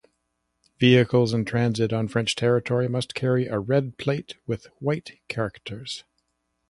Vehicles in transit on French territory must carry a red plate with white characters.